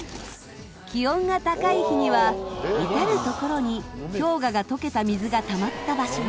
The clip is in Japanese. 気温が高い日には至る所に氷河が溶けた水がたまった場所が。